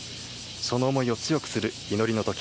その思いを強くする祈りの時。